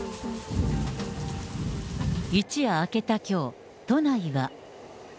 一夜明けたきょう、都内は。